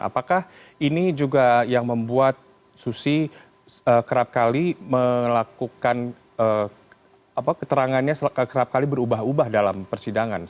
apakah ini juga yang membuat susi kerap kali melakukan keterangannya kerap kali berubah ubah dalam persidangan